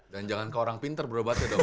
dan jangan ke orang pinter bro batu ya dok ya